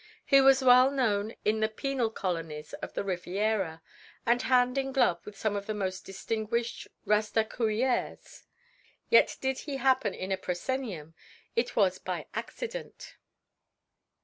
He was well known in the penal colonies of the Riviera, and hand in glove with some of the most distinguished rastaquouères, yet did he happen in a proscenium it was by accident.